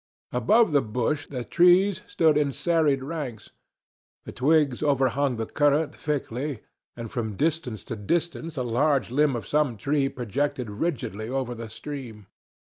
Above the bush the trees stood in serried ranks. The twigs overhung the current thickly, and from distance to distance a large limb of some tree projected rigidly over the stream.